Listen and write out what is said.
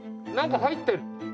何か入ってる。